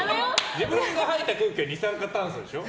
自分が吐いた空気は二酸化炭素でしょ。